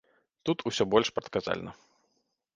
Тут усё больш прадказальна.